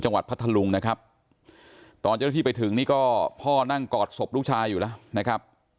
จังหวัดพระทะลุงนะครับตอนเจ้าที่ไปถึงนี่ก็พ่อนั่งกอดศพลูกชายอยู่ล่ะ